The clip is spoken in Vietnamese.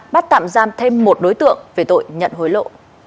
bắt tạm giam thêm một đối tượng về tội nhận hối lộ